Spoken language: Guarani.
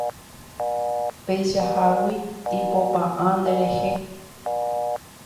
Péichahágui ipopa'ã nderehe